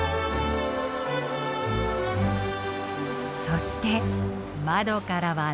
そして窓からは絶景。